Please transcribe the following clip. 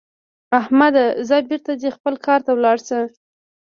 احمده؛ ځه بېرته دې خپل کار ته ولاړ شه.